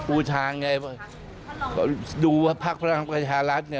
อูทางไงดูว่าภาคประธานกฎาชาติรัฐ